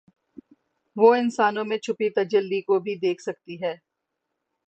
وہ انسانوں میں چھپی تجلی کو بھی دیکھ سکتی ہیں